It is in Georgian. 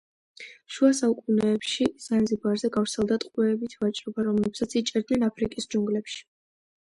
შუა საუკუნეებში ზანზიბარზე გავრცელდა ტყვეებით ვაჭრობა, რომლებსაც იჭერდნენ აფრიკის ჯუნგლებში.